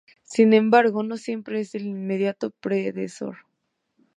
Sin embargo, no siempre es el inmediato predecesor.